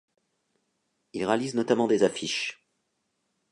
Il réalise notamment des affiches.